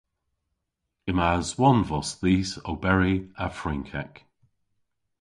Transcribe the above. Yma aswonvos dhis oberi a Frynkek.